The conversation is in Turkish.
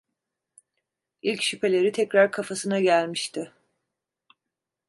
İlk şüpheleri tekrar kafasına gelmişti.